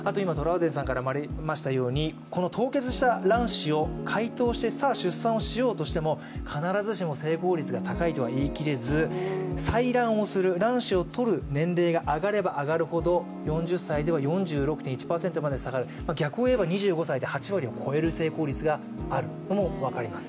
あと、凍結した卵子を解凍してさあ、出産をしようとしても必ずしも成功率が高いとは言い切れず、採卵をする、卵子をとる年齢が上がれば上がるほど、４０歳では４６．１％になる逆を言えば２５歳で８割を超える成功率があるとも言えます。